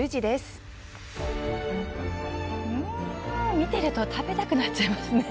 見ていると食べたくなっちゃいますね。